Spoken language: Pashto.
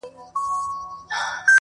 يوه ورځ نوبت په خپله د سلطان سو٫